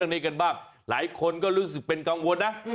นี้กันบ้างหลายคนก็รู้สึกเป็นกังวลนะ